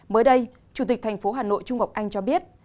mới đây chủ tịch thành phố hà nội trung ngọc anh cho biết